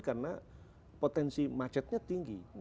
karena potensi macetnya tinggi